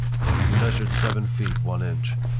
He measured seven feet one inch.